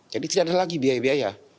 jadi tidak ada lagi biaya biaya